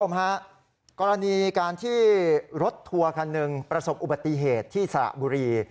ฮะกรณีการที่รถทัวร์คันหนึ่งประสบอุบัติเหตุที่สระบุรี